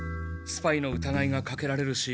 スパイのうたがいがかけられるし。